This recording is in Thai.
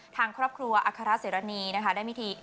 ทางครอบครัวอัครเสรณีนะคะได้พิธี